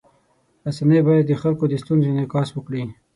رسنۍ باید د خلکو د ستونزو انعکاس وکړي.